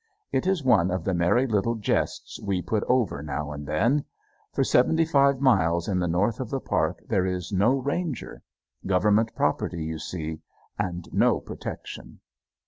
It is one of the merry little jests we put over now and then. For seventy five miles in the north of the park there is no ranger. Government property, you see, and no protection.